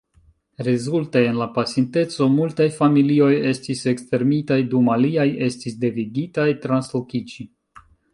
Rezulte, en la pasinteco, multaj familioj estis ekstermitaj, dum aliaj estis devigitaj translokiĝi.